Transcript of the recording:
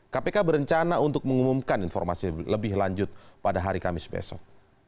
kpk berencana untuk mengumumkan informasi lebih lanjut pada hari kamis besok